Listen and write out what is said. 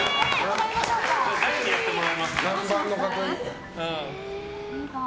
誰にやってもらいますか？